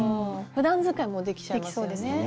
ふだん使いもできちゃいますよね。